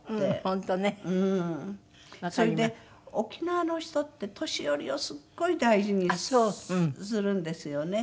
それで沖縄の人って年寄りをすごい大事にするんですよね。